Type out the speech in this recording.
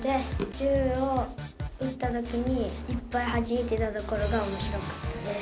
銃を撃った時にいっぱいはじいてたところが面白かったです。